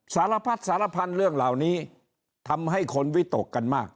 สารพัดสารพันธุ์เรื่องเหล่านี้ทำให้คนวิตกกันมาก